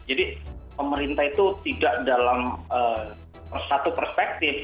jadi pemerintah itu tidak dalam satu perspektif